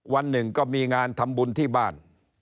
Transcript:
วันหนึ่งก็มีงานทำบุญที่บ้าน